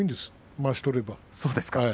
まわし取れれば。